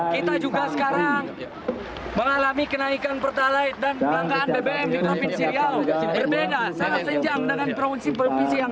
kita juga sekarang mengalami kenaikan pertalai dan perangkaan bbm di kampung siayau